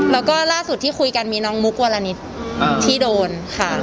แล้วก็ล่าสุดที่คุยกันมีน้องมุกวรณิตที่โดนค่ะ